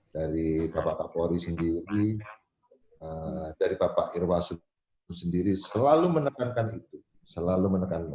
dari bapak kapolri sendiri dari bapak irwasuddin sendiri selalu menekankan itu